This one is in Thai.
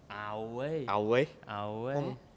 เฮ้ยเอาเว้ยเอาเว้ย